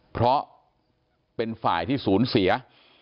เพราะเป็นฝ่ายที่ศูนย์เสีย